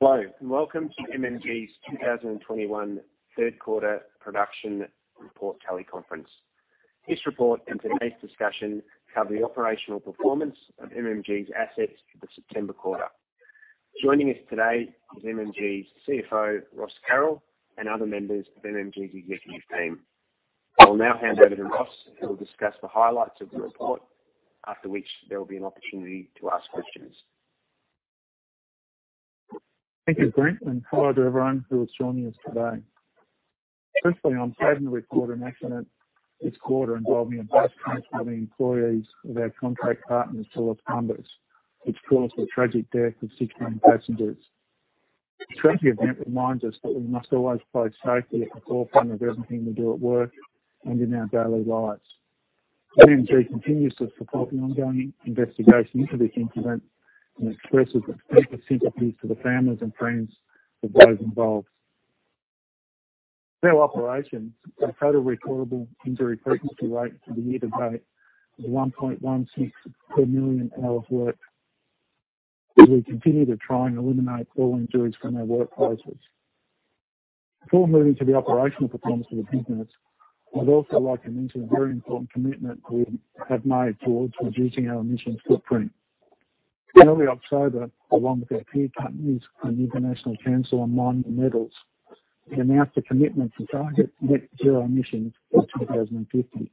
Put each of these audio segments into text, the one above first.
Hello, welcome to MMG's 2021 third quarter production report teleconference. This report and today's discussion cover the operational performance of MMG's assets for the September quarter. Joining us today is MMG's CFO, Ross Carroll, and other members of MMG's executive team. I will now hand over to Ross, who will discuss the highlights of the report, after which there will be an opportunity to ask questions. Thank you, Brent, and hello to everyone who is joining us today. Firstly, I'm saddened to report an accident this quarter involving a bus transporting employees of our contract partners to Las Bambas, which caused the tragic death of 16 passengers. This tragic event reminds us that we must always place safety at the forefront of everything we do at work and in our daily lives. MMG continues to support the ongoing investigation into this incident and expresses its deepest sympathies to the families and friends of those involved. For our operations, our total recordable injury frequency rate for the year to date is 1.16 per million hours worked, as we continue to try and eliminate all injuries from our workplaces. Before moving to the operational performance of the business, I'd also like to mention a very important commitment we have made towards reducing our emissions footprint. In early October, along with our peer companies from the International Council on Mining and Metals, we announced a commitment to target net zero emissions by 2050.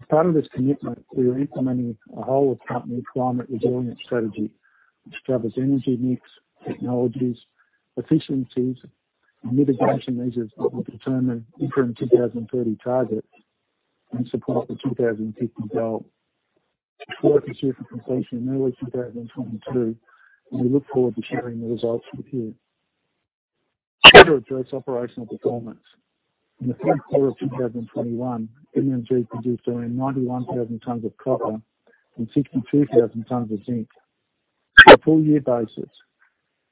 As part of this commitment, we are implementing a whole of company climate resilience strategy which covers energy mix, technologies, efficiencies, and mitigation measures that will determine interim 2030 targets in support of the 2050 goal. This work is due for completion in early 2022, and we look forward to sharing the results with you. Let us address operational performance. In the third quarter of 2021, MMG produced around 91,000 tonnes of copper and 62,000 tonnes of zinc. On a full-year basis,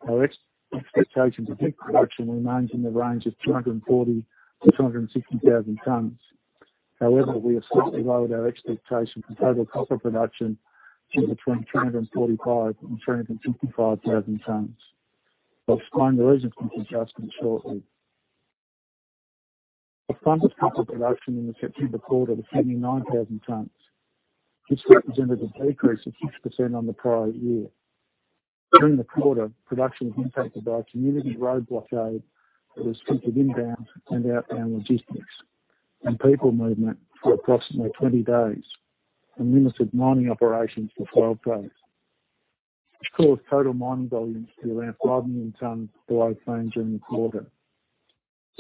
our expectation for zinc production remains in the range of 240,000 tonnes-260,000 tonnes. However, we have slightly lowered our expectation for total copper production to between 345,000 and 365,000 tonnes. I'll explain the reasons for this adjustment shortly. The tonnes of copper production in the September quarter was 79,000 tonnes, which represented a decrease of 6% on the prior year. During the quarter, production was impacted by a community roadblock that restricted inbound and outbound logistics and people movement for approximately 20 days, and limited mining operations for 12 days, which caused total mining volumes to be around 5 million tonnes below plan during the quarter.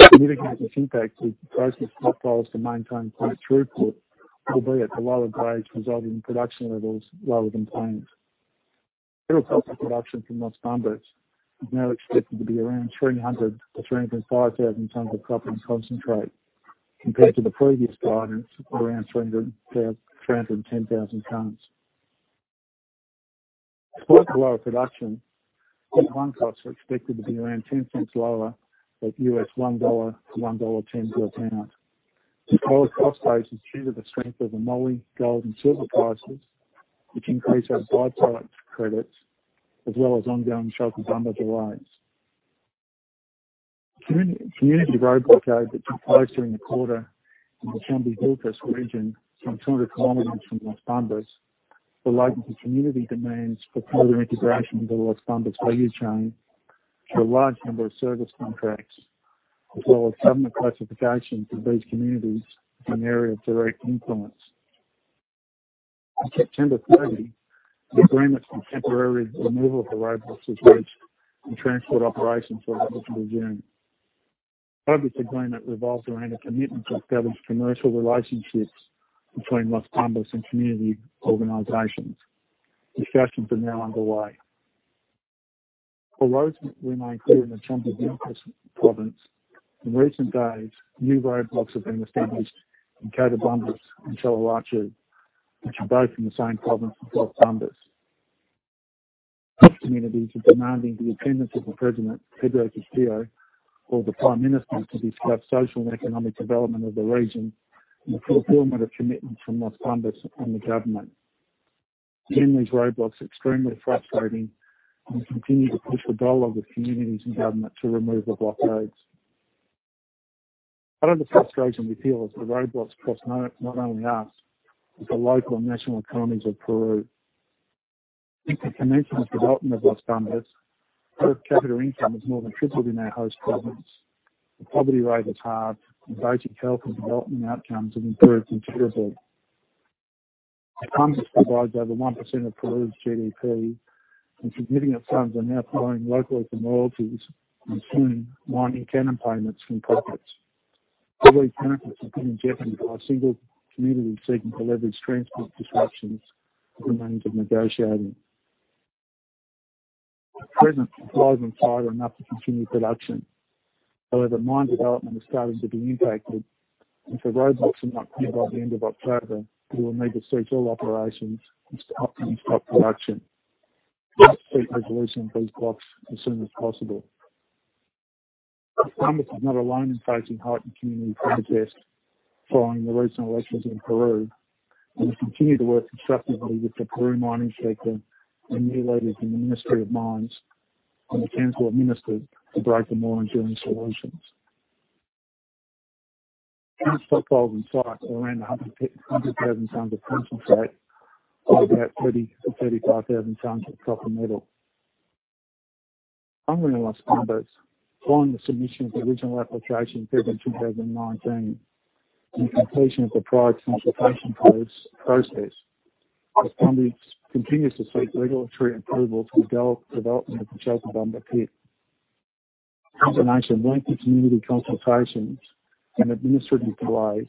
Significant impacts with processing stockpiles to maintain plant throughput, albeit at a lower grade resulting in production levels lower than planned. Total copper production from Las Bambas is now expected to be around 300,000-305,000 tonnes of copper and concentrate, compared to the previous guidance of around 310,000 tonnes. Despite the lower production, unit mine costs are expected to be around $0.10 lower at $1-$1.10 per tonne. This lower cost base is due to the strength of the moly, gold, and silver prices, which increase our by-product credits, as well as ongoing [shelter numbers arrays. Community road blockade that took place during the quarter in the Chumbivilcas region, some 200 km from Las Bambas, related to community demands for further integration into Las Bambas value chain through a large number of service contracts, as well as government classification for these communities as an area of direct influence. On September 30, an agreement for temporary removal of the roadblocks was reached, and transport operations were able to resume. Part of this agreement revolves around a commitment to establish commercial relationships between Las Bambas and community organizations. Discussions are now underway. We may include in the Chumbivilcas province, in recent days, new roadblocks have been established in Cerro Ccelleray and Sarhuayo, which are both in the same province as Las Bambas. Both communities are demanding the attendance of the President, Pedro Castillo, or the Prime Minister to discuss social and economic development of the region and fulfillment of commitments from Las Bambas and the government. Again, these roadblocks are extremely frustrating and we continue to push for dialogue with communities and government to remove the blockades. Part of the frustration we feel is the roadblocks cross not only us, but the local and national economies of Peru. Since the commencement of development of Las Bambas, per capita income has more than tripled in our host province. The poverty rate is halved, and basic health and development outcomes have improved considerably. Las Bambas provides over 1% of Peru's GDP, and significant sums are now flowing locally from royalties and soon mining canon payments from profits. All these benefits have been jeopardized by a single community seeking to leverage transport disruptions for the means of negotiating. At present, supplies and fuel are enough to continue production. However, mine development is starting to be impacted, and if the roadblocks are not cleared by the end of October, we will need to cease all operations and stop mine site production. We ask for a quick resolution of these blocks as soon as possible. Las Bambas is not alone in facing heightened community protest following the recent elections in Peru, and we continue to work constructively with the Peru mining sector and new leaders in the Ministry of Mines and the council of ministers to broker more enduring solutions. Plant stockpiles on site are around 150,000 tonnes of concentrate or about 30,000-35,000 tonnes of copper metal. On Las Bambas, following the submission of the original application in February 2019, and completion of the prior consultation process, the funding continues to seek regulatory approval for development of the Chalcobamba pit. A combination of lengthy community consultations and administrative delays,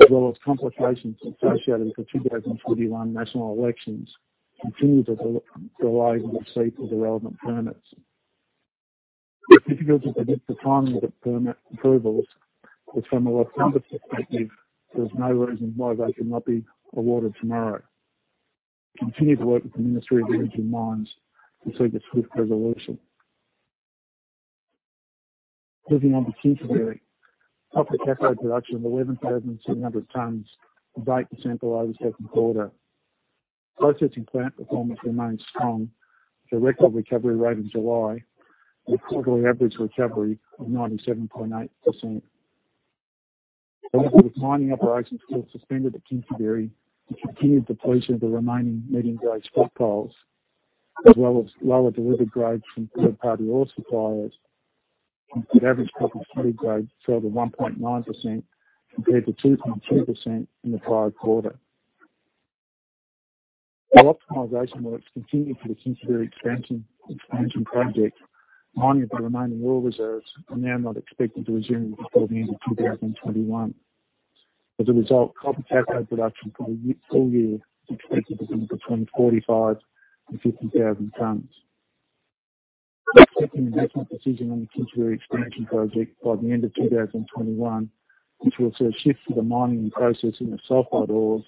as well as complications associated with the 2021 national elections, continue to delay the receipt of the relevant permits. It's difficult to predict the timing of the permit approvals, but from a Las Bambas perspective, there's no reason why they should not be awarded tomorrow. We continue to work with the Ministry of Energy and Mines to seek a swift resolution. Moving on to Kinsevere. Copper cathode production of 11,700 tonnes [broke] the sample over second quarter. Processing plant performance remained strong with a record recovery rate in July and a quarterly average recovery of 97.8%. However, with mining operations still suspended at Kinsevere and continued depletion of the remaining medium grade stockpiles, as well as lower delivered grades from third-party ore suppliers, the average copper head grade fell to 1.9% compared to 2.2% in the prior quarter. While optimization works continue for the Kinsevere expansion project, mining of the remaining ore reserves are now not expected to resume before the end of 2021. As a result, copper cathode production for the full year is expected to be between 45,000 and 50,000 tonnes. We are taking an investment decision on the Kinsevere expansion project by the end of 2021, which will see a shift to the mining and processing of sulfide ores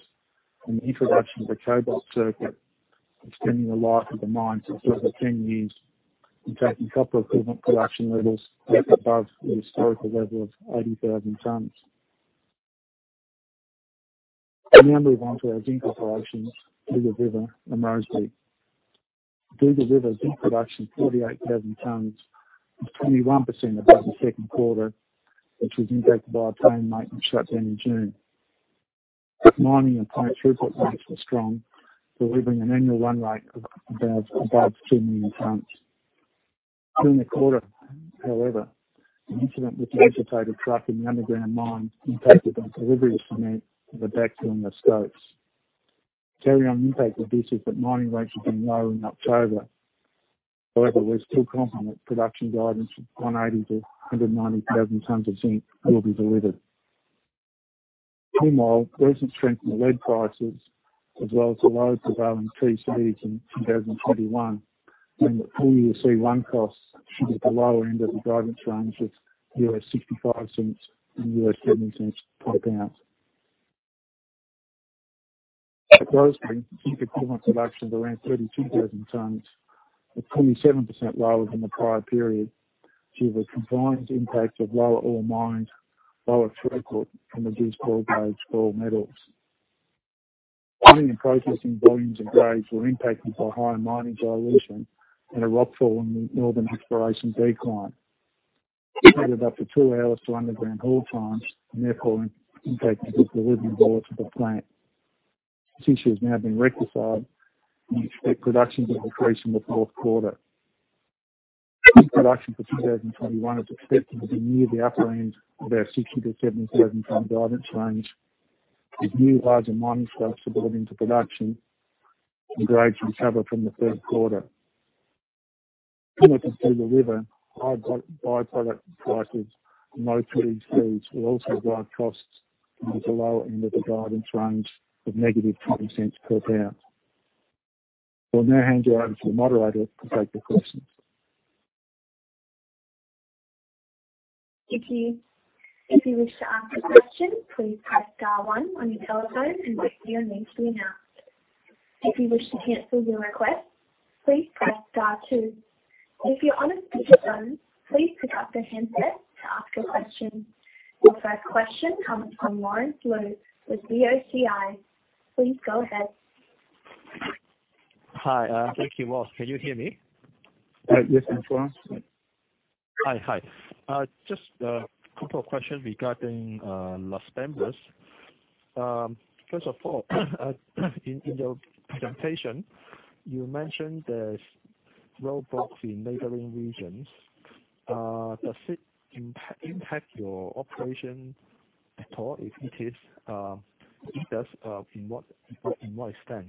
and the introduction of a cobalt circuit, extending the life of the mine to over 10 years and taking copper equivalent production levels above the historical level of 80,000 tonnes. I now move on to our zinc operations, Dugald River and Rosebery. Dugald River zinc production 48,000 tonnes is 21% above the second quarter, which was impacted by a planned maintenance shutdown in June. Mining and plant throughput rates were strong, delivering an annual run rate of above 2 million tonnes. During the quarter, however, an incident with an agitator truck in the underground mine impacted on delivery of cement to the backfilling of stopes. Carry on impact of this is that mining rates have been low in October. However, we still confirm that production guidance of 180,000-190,000 tonnes of zinc will be delivered. However, recent strength in the lead prices as well as the low prevailing TC/RCs in 2021 mean that full year C1 costs should be at the lower end of the guidance range of $0.65 and $0.70 per pound. At Rosebery, zinc equivalent production of around 32,000 tonnes is 27% lower than the prior period due to a combined impact of lower ore mined, lower throughput and reduced ore grades for metals. Mining and processing volumes and grades were impacted by higher mining dilution and a rock fall in the northern exploration decline. This added up to two hours to underground haul times and therefore impacted the delivery of ore to the plant. This issue has now been rectified. We expect production to increase in the fourth quarter. Zinc production for 2021 is expected to be near the upper end of our 60,000-70,000 tonnes guidance range, with new larger mining stopes coming into production and grades recover from the 3rd quarter. Similar to Dugald River, high by-product prices and low TC/RCs will also drive costs towards the lower end of the guidance range of -$0.20 per pound. I will now hand you over to the moderator to take the questions. If you wish to ask a question, please type star one on your telephone and wait for your name to be announced. If you wish to cancel your request please press star two. If you're on a speaker phone, please put up your hand to ask your question. The first question comes from Lawrence Lu with BOCI. Please go ahead. Hi. Thank you. Ross, can you hear me? Yes, Lawrence. Hi. Just a couple of questions regarding Las Bambas. First of all, in your presentation, you mentioned there's roadblocks in neighboring regions. Does it impact your operation at all? If it does, in what extent?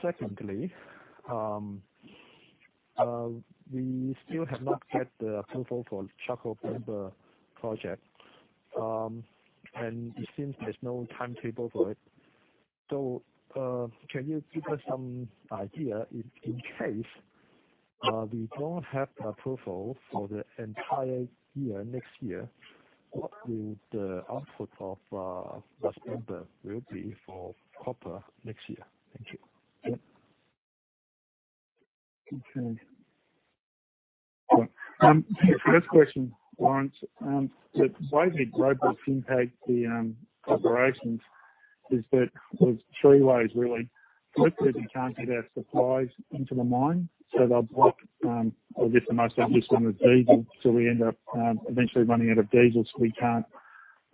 Secondly, we still have not got the approval for Chalcobamba project, and it seems there's no timetable for it. Can you give us some idea in case we don't have the approval for the entire year next year? What will the output of Las Bambas will be for copper next year? Thank you. Okay. Right. The first question, Lawrence, the way the roadblocks impact the operations is that with three ways, really, quickly, we can't get our supplies into the mine, so they'll block, or at least the most obvious one is diesel. We end up eventually running out of diesel, so we can't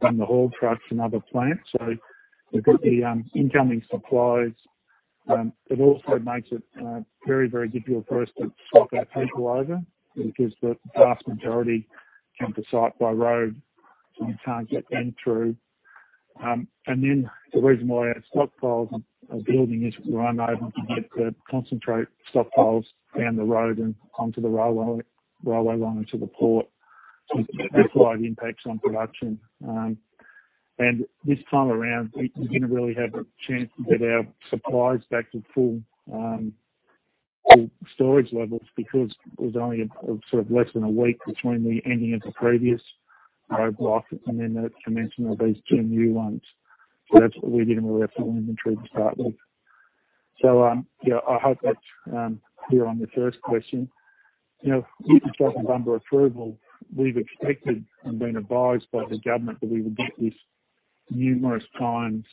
run the haul trucks and other plants. We've got the incoming supplies. It also makes it very difficult for us to swap our people over because the vast majority come to site by road, so we can't get them through. The reason why our stockpiles are building is we're unable to get the concentrate stockpiles down the road and onto the railway line to the port, which applied impacts on production. This time around, we didn't really have a chance to get our supplies back to full storage levels because it was only less than a week between the ending of the previous roadblock and then the commencement of these two new ones. We didn't really have full inventory to start with. Yeah, I hope that's clear on the first question. With the Chalcobamba approval, we've expected and been advised by the government that we would get this numerous times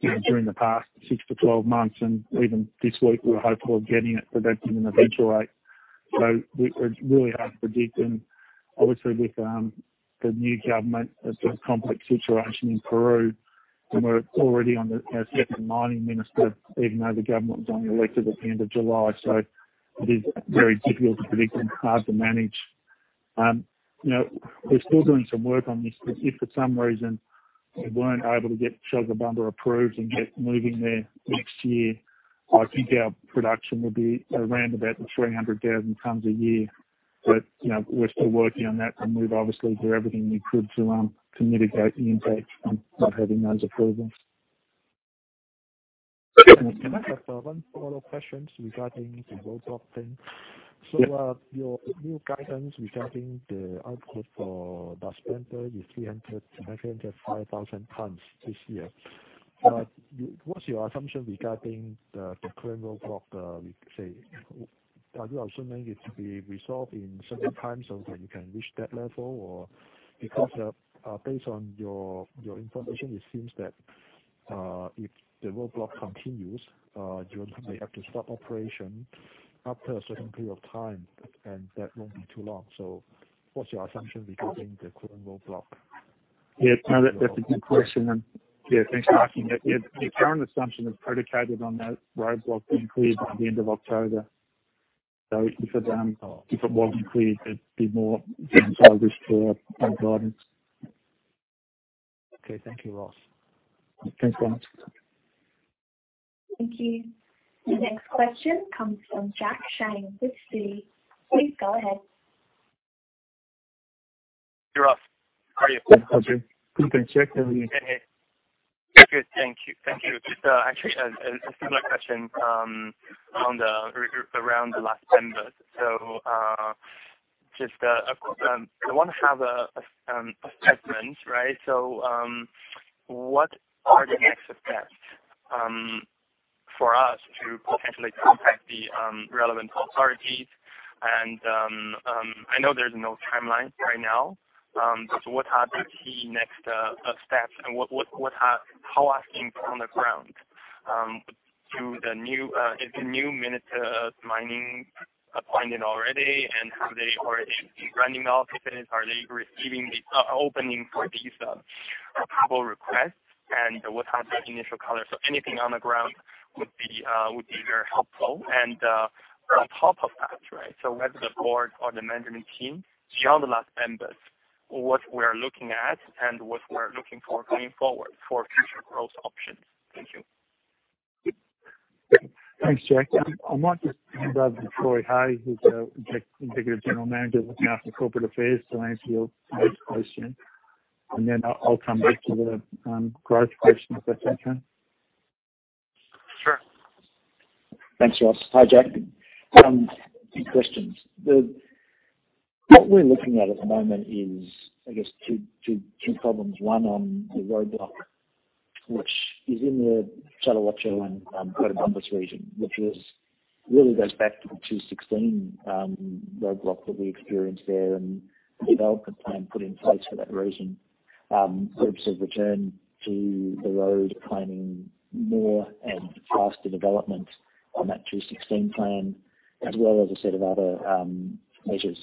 during the past 6 to 12 months. Even this week, we were hopeful of getting it, but that didn't eventuate. It's really hard to predict. Obviously with the new government, a sort of complex situation in Peru, and we're already on our second mining minister, even though the government was only elected at the end of July. It is very difficult to predict and hard to manage. We're still doing some work on this, but if for some reason we weren't able to get Chalcobamba approved and get moving there next year, I think our production would be around about 300,000 tons a year. We're still working on that and move obviously do everything we could to mitigate the impact of not having those approvals. I have one follow-up question regarding the roadblock thing. Yeah. Your new guidance regarding the output for Las Bambas is 300,000 tons-500,000 tons this year. Yeah. What's your assumption regarding the current roadblock? Are you assuming it to be resolved in certain time so that you can reach that level? Based on your information, it seems that if the roadblock continues, you may have to stop operation after a certain period of time, and that won't be too long. What's your assumption regarding the current roadblock? Yeah. No, that's a good question. Yeah, thanks for asking. The current assumption is predicated on that roadblock being cleared by the end of October. If it wasn't cleared, there'd be more downside risk to our guidance. Okay. Thank you, Ross. Thanks, Lawrence. Thank you. The next question comes from Jack Shang with Citi. Please go ahead. Hey, Ross. How are you? Good. You can check in. Good. Thank you. Actually a similar question around the Las Bambas. Just I want to have an assessment, right? What are the next steps for us to potentially contact the relevant authorities? I know there's no timeline right now. What are the key next steps and how are things on the ground? Is the new Minister of Mining appointed already and have they already been running offices? Are they opening for these approval requests and what are the initial colors? Anything on the ground would be very helpful. On top of that, right, whether the board or the management team, beyond the Las Bambas, what we're looking at and what we're looking for going forward for future growth options. Thank you. Thanks, Jack. I might just hand over to Troy Hey, who's our Executive General Manager, looking after corporate affairs, to answer your first question. Then I'll come back to the growth question, if that's okay. Sure. Thanks, Ross. Hi, Jack. Two questions. What we're looking at at the moment is, I guess two problems. One on the roadblock, which is in the Cerro Ccelleray, Las Pintas region. Which really goes back to the 2016 roadblock that we experienced there and the development plan put in place for that region. Groups have returned to the road claiming more and faster development on that 2016 plan, as well as a set of other measures.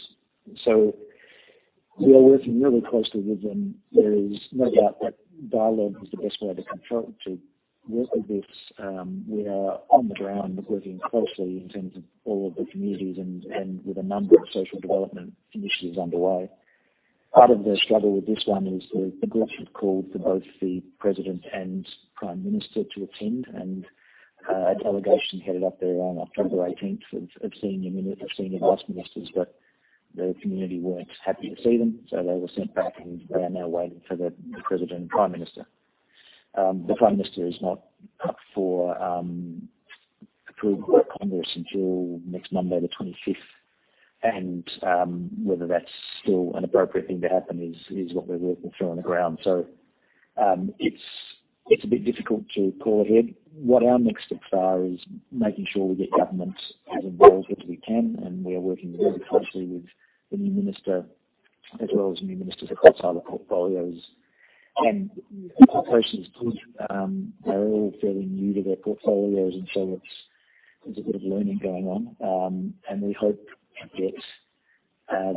We are working really closely with them. There is no doubt that dialogue is the best way to work with this. We are on the ground working closely in terms of all of the communities and with a number of social development initiatives underway. Part of the struggle with this one is the groups have called for both the President and Prime Minister to attend. A delegation headed up there on October 18th of senior vice ministers, but the community weren't happy to see them, so they were sent back and they are now waiting for the President and Prime Minister. The Prime Minister is not up for approval by Congress until next Monday, the 25th. Whether that's still an appropriate thing to happen is what we're working through on the ground. It's a bit difficult to call ahead. What our next steps are is making sure we get government as involved as we can. We are working very closely with the new Minister, as well as new Ministers across other portfolios. The process is good. They're all fairly new to their portfolios, there's a bit of learning going on. We hope to get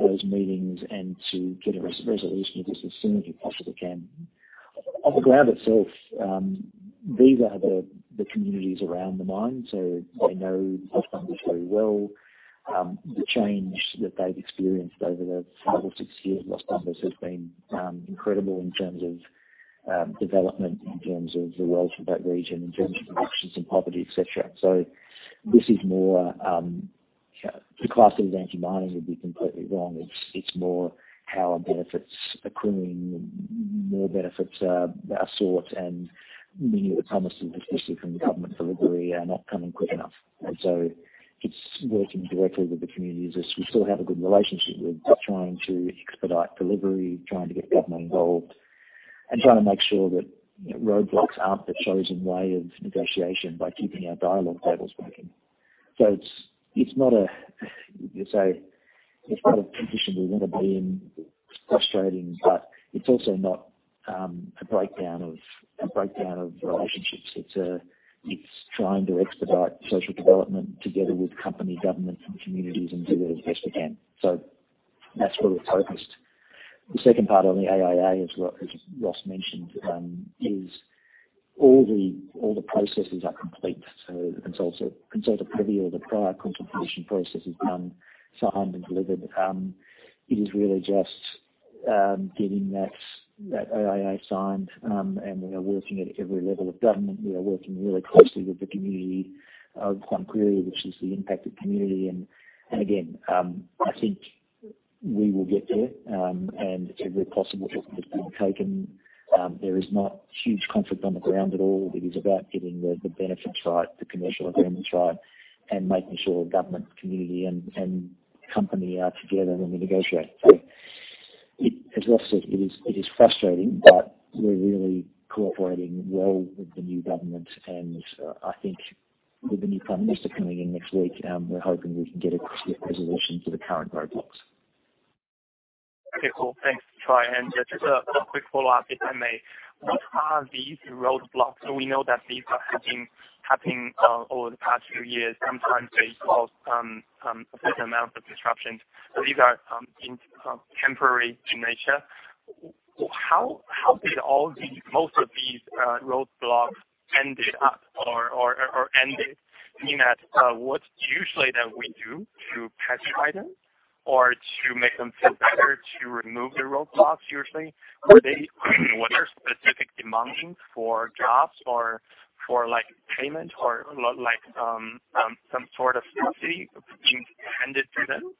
those meetings and to get a resolution to this as soon as we possibly can. On the ground itself, these are the communities around the mine, so they know Las Bambas very well. The change that they've experienced over the five or six years of Las Bambas has been incredible in terms of development, in terms of the wealth of that region, in terms of reductions in poverty, et cetera. To class it as anti-mining would be completely wrong. It's more how are benefits accruing and more benefits are sought, and many of the promises, especially from the government for delivery, are not coming quick enough. It's working directly with the communities, as we still have a good relationship with, just trying to expedite delivery, trying to get government involved, and trying to make sure that roadblocks aren't the chosen way of negotiation by keeping our dialogue tables working. It's not a position we want to be in. It's frustrating, but it's also not a breakdown of relationships. It's trying to expedite social development together with company, government, and communities and do it as best we can. That's where we're focused. The second part on the EIA, as Ross mentioned, is all the processes are complete. The consulta previa or the prior consultation process is done, signed, and delivered. It is really just getting that EIA signed, and we are working at every level of government. We are working really closely with the community of Huancuire, which is the impacted community. Again, I think we will get there, and every possible step has been taken. There is not huge conflict on the ground at all. It is about getting the benefits right, the commercial agreements right, and making sure government, community, and company are together when we negotiate. As Ross said, it is frustrating, but we're really cooperating well with the new government. I think with the new prime minister coming in next week, we're hoping we can get a quick resolution to the current roadblocks. Okay, cool. Thanks, Troy. Just a quick follow-up, if I may. What are these roadblocks? We know that these have been happening over the past few years. Sometimes they cause a certain amount of disruptions. These are temporary in nature. How did most of these roadblocks ended up or ended? Meaning that, what usually that we do to pacify them or to make them feel better to remove the roadblocks usually? What are specific demandings for jobs or for payment or some sort of subsidy being handed to them?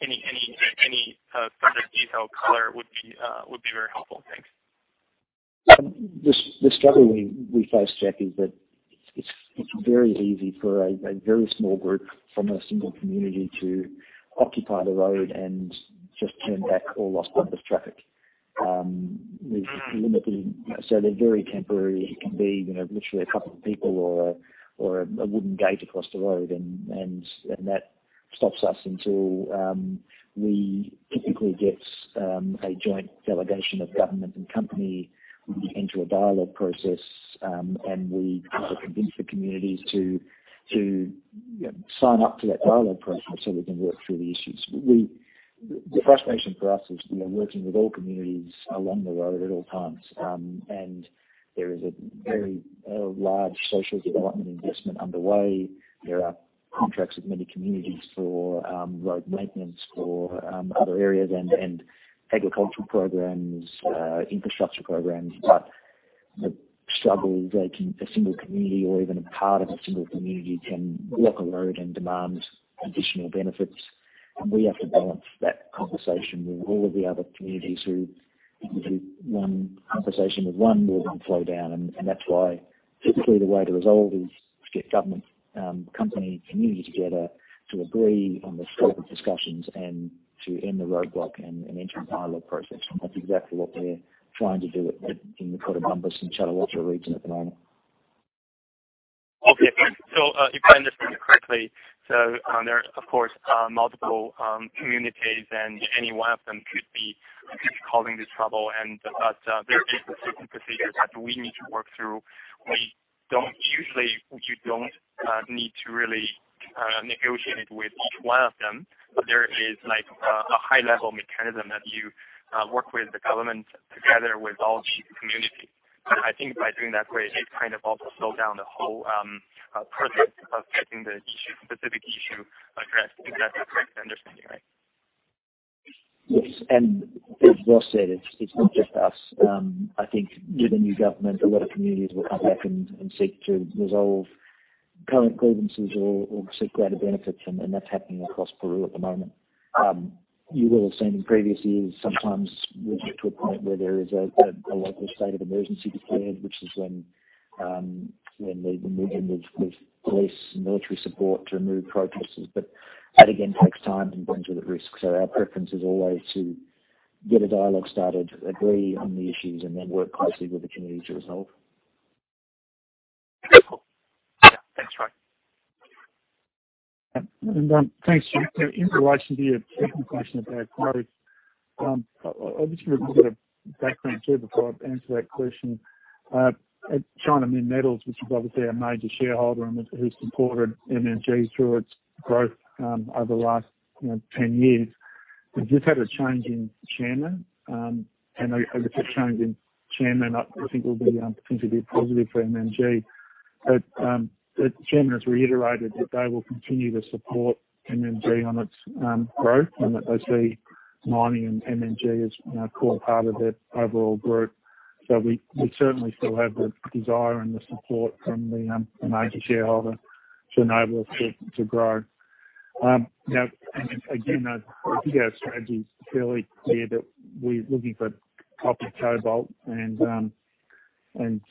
Any further detail color would be very helpful. Thanks. The struggle we face, Jack, is that it's very easy for a very small group from a one community to occupy the road and just turn back all Las Bambas traffic. They're very temporary. It can be literally two people or a wooden gate across the road, and that stops us until we typically get a joint delegation of government and company into a dialogue process, and we convince the communities to sign up to that dialogue process so we can work through the issues. The frustration for us is, we are working with all communities along the road at all times. There is a very large social development investment underway. There are contracts with many communities for road maintenance, for other areas and agricultural programs, infrastructure programs. The struggle is a single community or even a part of a single community can block a road and demand additional benefits, and we have to balance that conversation with all of the other communities who, one conversation with one will then flow down. That's why typically the way to resolve is to get government, company, community together to agree on the scope of discussions and to end the roadblock and enter a dialogue process. That's exactly what we're trying to do in the Cotabambas and Challhuahuacho region at the moment. Okay, great. If I understand correctly, there are of course, multiple communities and any one of them could be causing the trouble. There is a certain procedure that we need to work through. Usually, you don't need to really negotiate it with each one of them. There is a high-level mechanism that you work with the government together with all the communities. I think by doing that way, it kind of also slow down the whole process of getting the specific issue addressed. Is that the correct understanding, right? Yes. As Ross said, it's not just us. I think with the new government, a lot of communities will come back and seek to resolve current grievances or seek greater benefits. That's happening across Peru at the moment. Okay. You will have seen in previous years, sometimes we get to a point where there is a local state of emergency declared, which is when they bring in the police and military support to remove protesters. That, again, takes time and brings with it risks. Our preference is always to get a dialogue started, agree on the issues, and then work closely with the community to resolve. Beautiful. Yeah, thanks, Troy. Thanks. In relation to your second question about growth, I'll just give a bit of background too before I answer that question. At China Minmetals, which is obviously our major shareholder and who supported MMG through its growth over the last 10 years, we've just had a change in chairman. Obviously, a change in chairman, I think, will be potentially positive for MMG. The chairman has reiterated that they will continue to support MMG on its growth and that they see mining and MMG as a core part of their overall group. We certainly still have the desire and the support from the major shareholder to enable us to grow. Again, I think our strategy is fairly clear that we're looking for copper, cobalt, and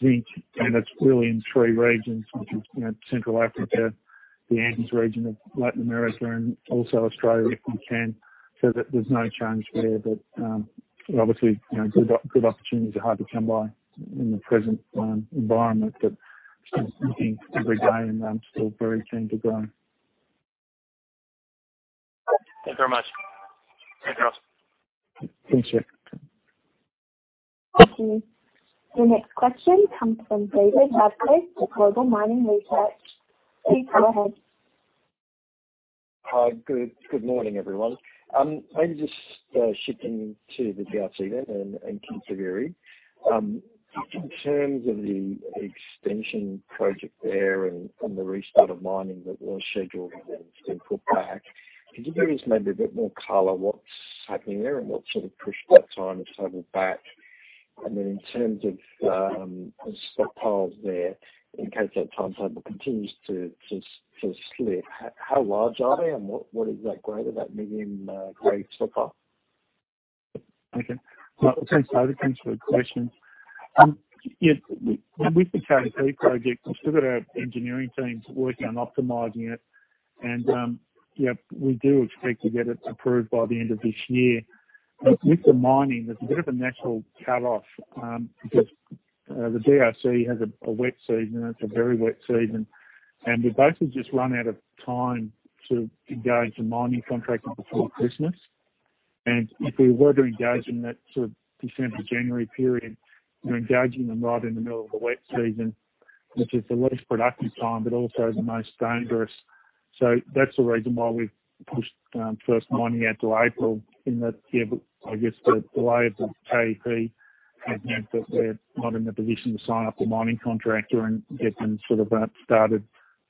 zinc, and that's really in three regions, which is Central Africa, the Andes region of Latin America, and also Australia if we can. There's no change there. Obviously, good opportunities are hard to come by in the present environment, but still looking every day and still very keen to grow. Thanks very much. Thanks, Ross. Thanks, Jack. Thank you. Your next question comes from David Haslett with Global Mining Research. Please go ahead. Hi. Good morning, everyone. Maybe just shifting to the DRC then and Kipushi. Just in terms of the extension project there and the restart of mining that was scheduled and has been put back, could you give us maybe a bit more color what's happening there and what sort of pushed that timeline further back? In terms of the stockpiles there, in case that timetable continues to slip, how large are they and what is that grade of that million-grade stockpile? Okay. Thanks, David. Thanks for the question. With the KEP project, we've still got our engineering teams working on optimizing it. Yeah, we do expect to get it approved by the end of this year. With the mining, there's a bit of a natural cut-off because the DRC has a wet season. It's a very wet season. We basically just run out of time to engage the mining contractor before Christmas. If we were to engage in that sort of December, January period, we're engaging them right in the middle of the wet season, which is the least productive time, but also the most dangerous. That's the reason why we've pushed first mining out to April in that, I guess the delay of the KEP meant that we're not in the position to sign up a mining contractor and get them started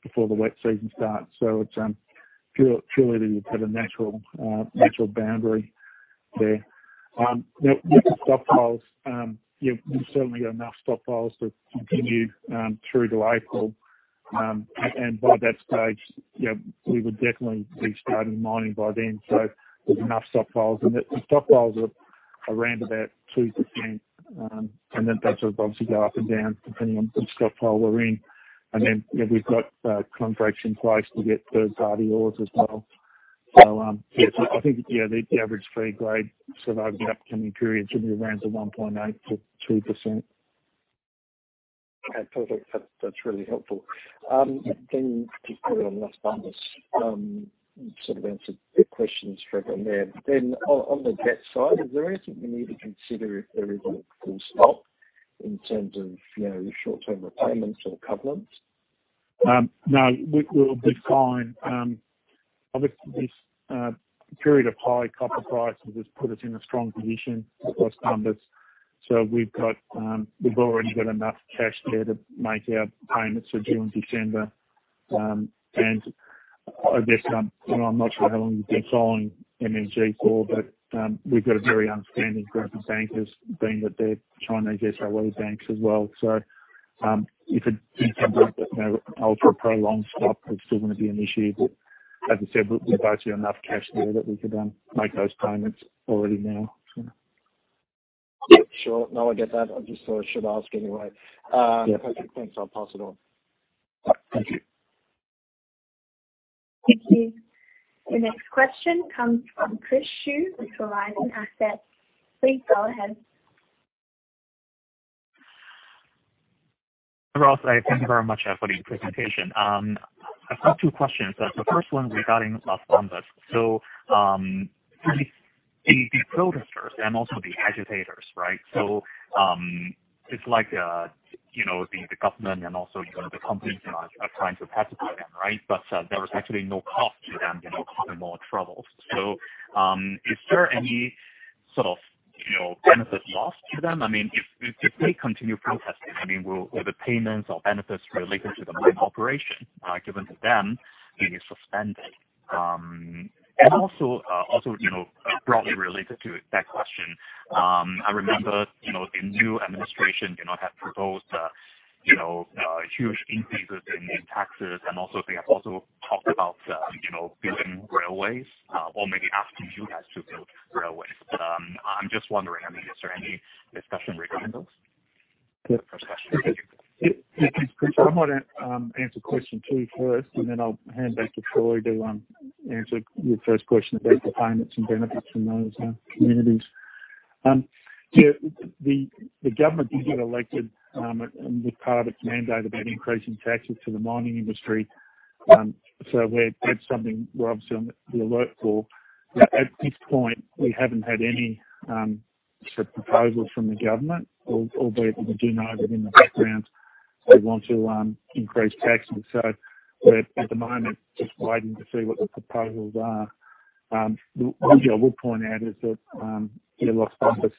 before the wet season starts. It's purely that you've got a natural boundary there. With the stockpiles, we've certainly got enough stockpiles to continue through to April. By that stage, we would definitely be starting mining by then. There's enough stockpiles. The stockpiles are around about 2%, and then those will obviously go up and down depending on which stockpile we're in. Then, we've got contracts in place to get third-party ores as well. I think, the average feed grade throughout the upcoming period should be around the 1.8%-2%. Okay, perfect. That's really helpful. Just quickly on Las Bambas, sort of answered the questions straight on there. On the debt side, is there anything you need to consider if there is a full stop in terms of your short-term repayments or covenants? No, we'll be fine. Obviously, this period of high copper prices has put us in a strong position across Las Bambas. We've already got enough cash there to make our payments for June, December. I guess, I'm not sure how long you've been following MMG for, but we've got a very understanding group of bankers, being that they're Chinese SOE banks as well. If it did come to that ultra-prolonged stop, it's still going to be an issue. As I said, we've basically enough cash there that we could make those payments already now. Sure. No, I get that. I just thought I should ask anyway. Yeah. Perfect. Thanks. I'll pass it on. Thank you. Thank you. Your next question comes from Chris Xu with Veritas Assets. Please go ahead. Hi, Ross. Thank you very much for the presentation. I've got two questions. The first one regarding Las Bambas. The protesters and also the agitators, right? It's like the government and also the companies are trying to pacify them, right? There is actually no cost to them causing more trouble. Is there any sort of benefit lost to them? I mean, if they continue protesting, will the payments or benefits related to the mine operation given to them be suspended? Broadly related to that question, I remember the new administration had proposed huge increases in taxes, they have also talked about building railways or maybe asking you guys to build railways. I'm just wondering, is there any discussion regarding those? Yeah. First question. Yeah. Chris, I might answer question two first, and then I'll hand back to Troy to answer your first question about the payments and benefits in those communities. The government did get elected, with part of its mandate about increasing taxes to the mining industry. That's something we are obviously on the alert for. At this point, we haven't had any sort of proposals from the government, albeit we do know that in the background, they want to increase taxes. We are, at the moment, just waiting to see what the proposals are. What I will point out is that Las Bambas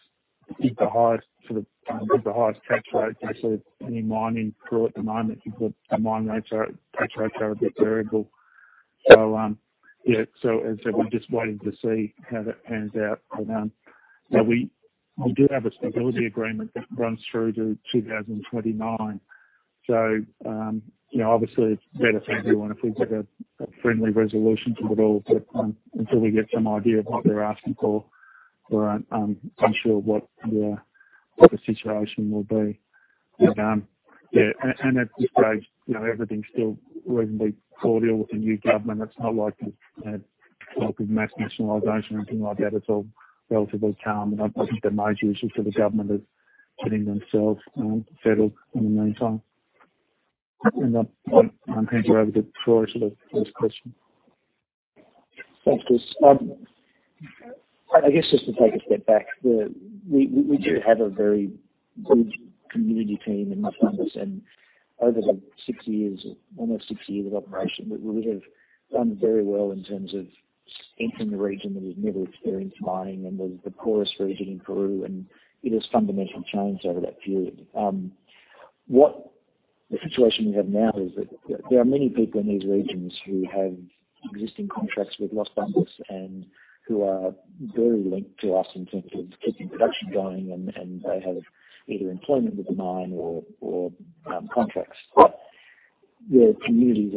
is the highest tax rate for any mining Peru at the moment, because the tax rates are a bit variable. We are just waiting to see how that pans out. We do have a stability agreement that runs through to 2029. Obviously, it's better for everyone if we get a friendly resolution to it all. Until we get some idea of what they're asking for, we're unsure what the situation will be. At this stage, everything's still reasonably cordial with the new government. It's not like mass nationalization or anything like that. It's all relatively calm, and I think the major issue for the government is getting themselves settled in the meantime. I'll hand you over to Troy for the first question. Thanks, Chris. I guess just to take a step back, we do have a very good community team in Las Bambas, and over the six years, almost six years of operation, we have done very well in terms of entering the region that has never experienced mining and was the poorest region in Peru. It has fundamentally changed over that period. What the situation we have now is that there are many people in these regions who have existing contracts with Las Bambas and who are very linked to us in terms of keeping production going. They have either employment with the mine or contracts. The communities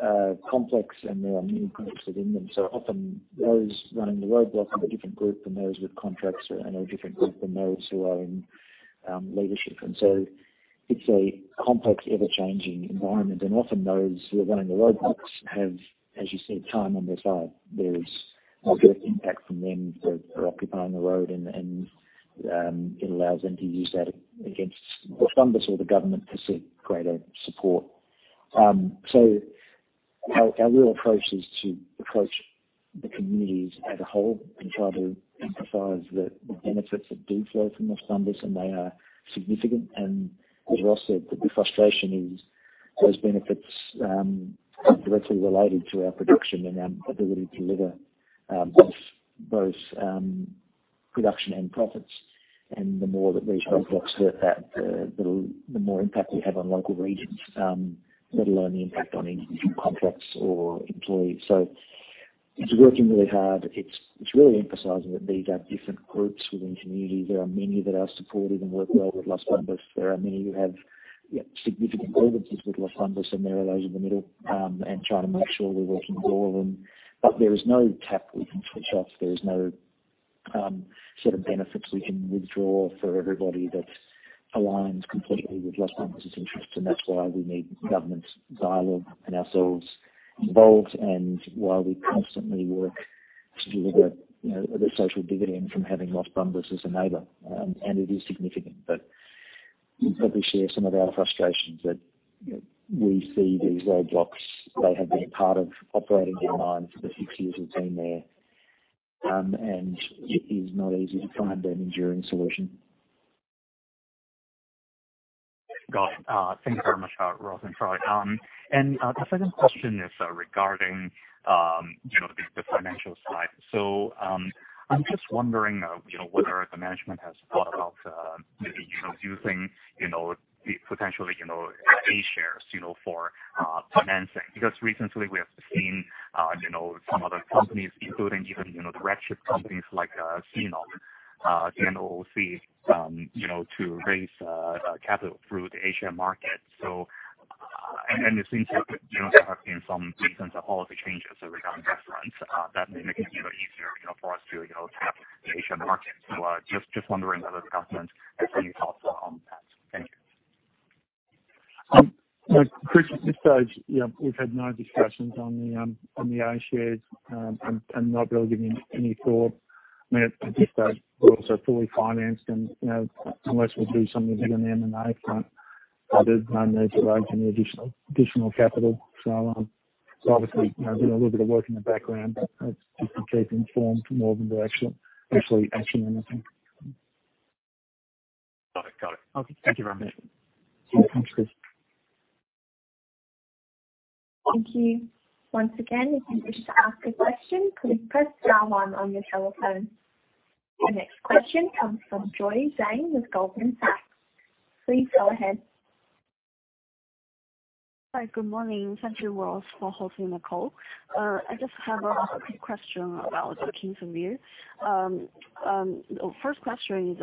are complex. There are many groups within them. Often those running the roadblocks are a different group than those with contracts are and a different group than those who are in leadership. It's a complex, ever-changing environment. Often those who are running the roadblocks have, as you said, time on their side. There is direct impact from them for occupying the road, and it allows them to use that against Las Bambas or the government to seek greater support. Our real approach is to approach the communities as a whole and try to emphasize the benefits that do flow from Las Bambas, and they are significant. As Ross said, the frustration is those benefits are directly related to our production and our ability to deliver both production and profits. The more that these roadblocks hurt that, the more impact we have on local regions, let alone the impact on individual contracts or employees. It's working really hard. It's really emphasizing that these are different groups within communities. There are many that are supportive and work well with Las Bambas. There are many who have significant grievances with Las Bambas, and there are those in the middle, and trying to make sure we're working with all of them. There is no tap we can switch off. There is no set of benefits we can withdraw for everybody that's aligned completely with Las Bambas' interest, and that's why we need government dialogue and ourselves involved and why we constantly work to deliver the social dividend from having Las Bambas as a neighbor. It is significant, but we probably share some of our frustrations that we see these roadblocks. They have been part of operating our mine for the six years we've been there. It is not easy to find an enduring solution. Got it. Thank you very much, Ross and Troy. The second question is regarding the financial side. I'm just wondering whether the management has thought about maybe using potentially A-shares for financing. Recently we have seen some other companies, including even the red chip companies like CNOOC to raise capital through the A-share market. It seems there have been some recent policy changes regarding that front that may make it easier for us to tap the A-share market. Just wondering whether the management has any thoughts on that. Thank you. Chris, at this stage, we've had no discussions on the A-shares and not really giving any thought. I mean, at this stage, we're also fully financed and unless we do something big on the M&A front, there's no need to raise any additional capital. Obviously, doing a little bit of work in the background, but that's just to keep informed more than we're actually actioning anything. Got it. Thank you very much. No, thanks, Chris. Thank you. Once again, if you wish to ask a question, please press star 1 on your telephone. The next question comes from Jiaping Zhang with Goldman Sachs. Please go ahead. Hi, good morning. [Hayden Bairstow for Halsey Nicole]. I just have a quick question about Kinsevere. First question is,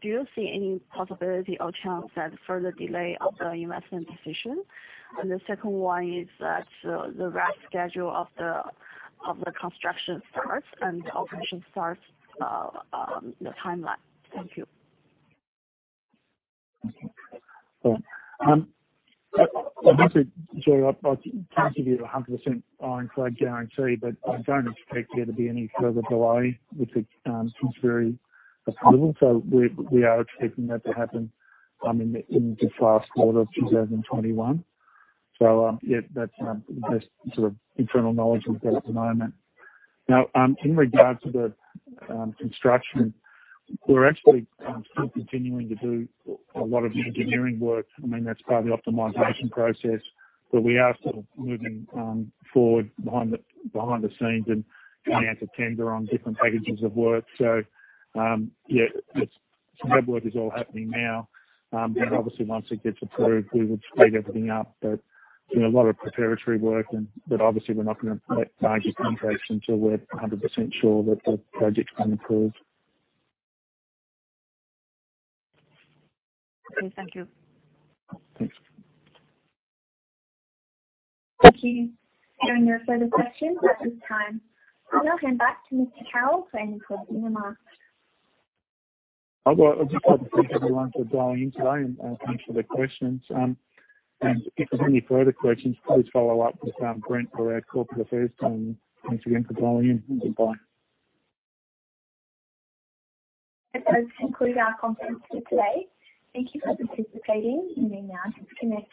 do you see any possibility or chance that further delay of the investment decision? The second one is that the rest schedule of the construction starts and operation starts, the timeline. Thank you. I'd love to, Hayden, I'd love to give you 100% ironclad guarantee. I don't expect there to be any further delay with the Kinsevere approval. We are expecting that to happen in the first quarter of 2021. Yeah, that's the best internal knowledge we've got at the moment. Now, in regards to the construction, we're actually still continuing to do a lot of engineering work. That's part of the optimization process. We are still moving forward behind the scenes and going out to tender on different packages of work. Yeah, some legwork is all happening now. Obviously once it gets approved, we would speed everything up. Doing a lot of preparatory work, obviously we're not going to let major contracts until we're 100% sure that the project's been approved. Okay, thank you. Thanks. Thank you. During your further session at this time, I'll hand back to Mr. Carroll for any closing remarks. I just want to thank everyone for dialing in today and thanks for the questions. If there's any further questions, please follow up with Brent or our corporate affairs, and thanks again for dialing in. Goodbye. That concludes our conference for today. Thank you for participating. You may now disconnect.